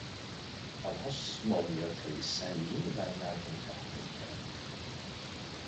آنها مالیاتهای سنگینی بر مردم تحمیل کردند.